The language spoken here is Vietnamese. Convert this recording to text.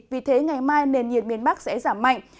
vì thế ngày mai nền nhiệt miền bắc sẽ giảm mạnh